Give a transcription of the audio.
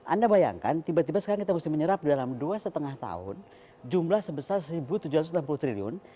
anda bayangkan tiba tiba sekarang kita mesti menyerap dalam dua lima tahun jumlah sebesar rp satu tujuh ratus enam puluh triliun